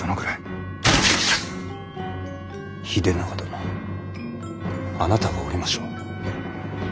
秀長殿あなたがおりましょう。